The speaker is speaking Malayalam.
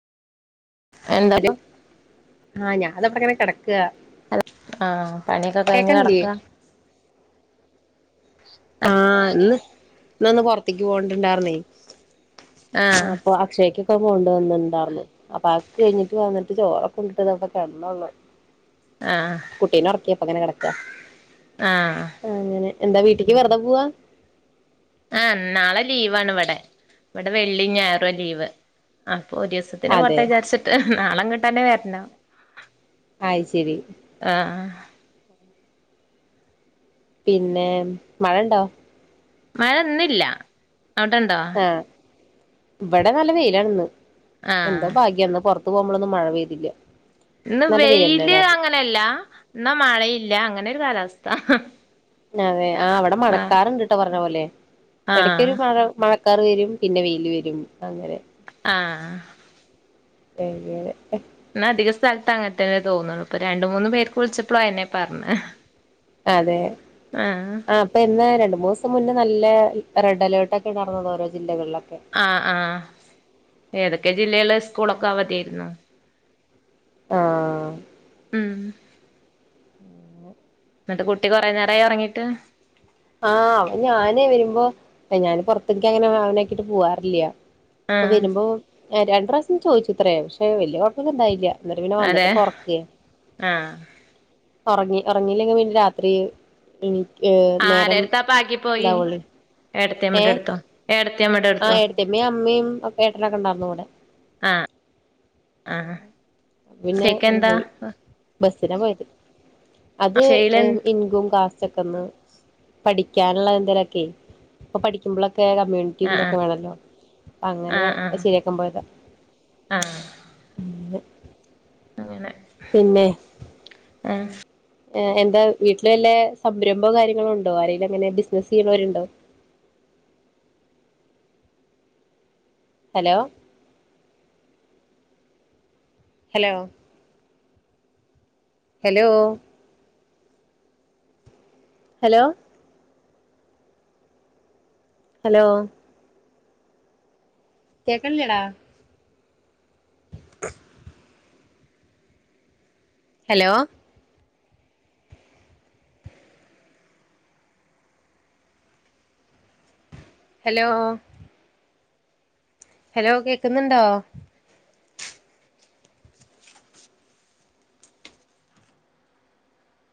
എന്താ ആ ഞാൻ അപ്പങ്ങനെ കെട ആ ആ പണിയൊക്കെ കഴിഞ്ഞ് കേക്കണില്ലേ കെടക്കുവാ ആ ഇന്ന് ഇന്നൊന്ന് പുറത്തേക്ക് പോകണ്ടി ഉണ്ടായിരുന്നേ ആ ആഹ് അപ്പൊ അക്ഷയക്ക് ഇപ്പോ കൊണ്ട് പോന്നൊണ്ടാർന്നു അപ്പൊ അതൊക്കെ കഴിഞ്ഞിട്ട് വന്നിട്ട് ചോറൊക്കെ ഉണ്ടിട്ട് ഇതാ ഇവിടെ കിടന്നതേയുള്ളു ആഹ് കുട്ടീനെ ഉറക്കിയപ്പോ ഇങ്ങനെ കിടക്കുവാ ആഹ് ആ അങ്ങനെ എന്താ വീ ട്ടിക്ക് വെറുതേ പോവാ ആ നാളെ ലീവാണ് ഇവിടെ ഇവിടെ വെള്ളി ഞായറുവാ ലീവ് ആ ഒരു ദിവസത്തിന് അതെ വട്ടം വിചാരിച്ചിട്ട് നാളെ ങ്ങട്ടന്നെ വര്ണം ആയ് ശരി പിന്നെ മഴ ണ്ടോ മഴൊന്നില്ല അവിടെണ്ടോ ആഹ് ഇവിടെ നല്ല വെയിലാണ് ഇന്ന് എന്തോ ആഹ് ഭാഗ്യം ഇന്ന് പൊർ ത് പോവുമ്പളൊന്നും മഴ പെയ്തില്ല ഇന്ന് നല്ല വെയില് തന്നെയല്ലായിരുന്നു അങ്ങനെയല്ല എന്ന മഴയില്ല അങ്ങനെ കാലാവസ്ഥ ഹ ഹ നതെ ആ ഇവിടെ മഴക്കാറ്ണ്ട്ട്ടോ പർഞ്ഞ പോലെ എടക്കൊരു ആഹ് മഴ മഴ ക്കാർ വരും പിന്നെ വെയിൽ വരും അങ്ങനെ ആഹ് അങ്ങനെ എന്ന അധിക സ്ഥലത്ത് അങ്ങനത്തന്നെ തോന്നണ് ഇപ്പൊ രണ്ട് മൂന്നു പേർക്ക് വിളിച്ചപ്പളും അയന്നെ പർഞ്ഞ അതെ ആ അപ്പഇന്ന് രണ്ട് മൂസം മുന്നേ നല്ല ല്ല റെഡ് അലേർട്ട് ഒക്കെ നടന്നത് ഓരോ ജില്ലകളിലും ആഹ് ആഹ് ഏതൊക്കെ ജില്ല ള് സ്കൂളൊക്കെ അവധിയേര്ന്നു ആഹ് ഉം എന്നിട്ട് കുട്ടി കുറെ നേരായി ഉറങ്ങിട്ട് ആഹ് അവ ഞാന് വരുമ്പോ ഞാന് പൊറത്ത്ക്ക് അങ്ങനെ അവനാക്കിട്ട് പോവാറില്യ ഇപ്പ ആഹ് വരുമ്പോ രണ്ട് റാ ചോദിച്ചൂ ഇത്രേ പക്ഷേ വലിയ കുഴപ്പം ഒന്നുണ്ടായില്ല എന്നിട്ട് പിന്നെ വന്നിട്ട് അതെ ഇപ്പൊ ഓർക്കെ ആഹ് ഒറങ്ങി ഒറങ്ങീല്ലെങ്കി പിന്നെ രാത്രി ഏ നേ ആരെടുത്താപ്പ ആക്കി പോയി ഉണ്ടാവൊള്ളേ ഏ ഏടത്തിയമ്മടെ അടുത്തോ ഏടത്തിയമ്മടെ ആ അടുത്തോ എടത്തിയമ്മയും അമ്മയും ഒക്കെ ഏട്ടനൊക്കെണ്ടാകും ഇവ്ടെ ആഹ് ആഹ് പിന്നെ അണ് ഷെയ്ക്കെന്താ പോയി ബസിനാ പോയത് അത് ഷെയ്ലൻ ഇൻകം കാ സൊക്കന്ന് പഠിക്കാനുള്ള എന്തേലൊക്കെ ഇപ്പൊ പഠിക്കുമ്പള ഒക്കെ ആഹ് കമ്മ്യൂണിറ്റിന്തൊക്കെ വേണംല്ലോ അങ്ങനെ അഅ്ശരിയാക്കാൻ പോയതാ ആ [unintelligible] ങ്ങനെ പിന്നെ ആ എന്താ വീട്ടില് വല്ല സംരംഭോ കാര്യങ്ങളോ ഉണ്ടോ ആരെലും അങ്ങനെ ബിസ്നസ്സ് ചെയ്യുണോരുണ്ടോ hello hello hello hello hello കേക്കണില്ലേടാ ഹലോ ഹലോ ഹലോ കേക്കുന്നുണ്ടോ